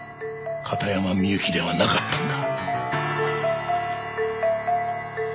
片山みゆきではなかったんだ。